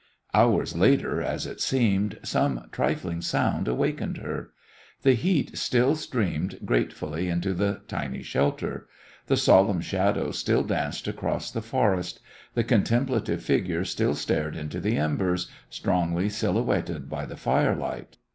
Hours later, as it seemed, some trifling sound awakened her. The heat still streamed gratefully into the tiny shelter; the solemn shadows still danced across the forest; the contemplative figure still stared into the embers, strongly silhouetted by the firelight.